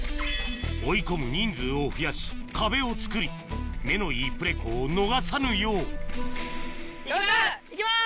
追い込む人数を増やし壁を作り目のいいプレコを逃さぬよう行きます！